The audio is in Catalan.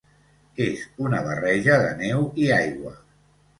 És una barreja de neu i aigua.